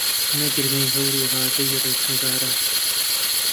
نە گرمەی هەور و هاژەی ڕێژنە باران